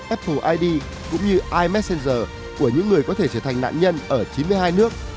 apple id cũng như imessenger của những người có thể trở thành nạn nhân ở chín mươi hai nước